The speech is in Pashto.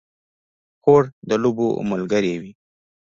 خور د لوبو ملګرې وي.